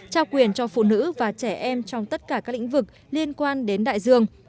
trao quyền cho phụ nữ và trẻ em trong tất cả các lĩnh vực liên quan đến đại dương